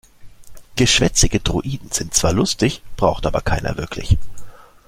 Geschwätzige Droiden sind zwar lustig, braucht aber keiner wirklich.